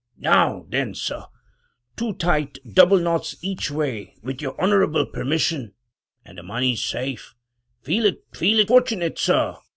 Now then, sir — two tight double knots each way with your honorable permission, and the money's safe. Feel it! feel it, fortunate sir!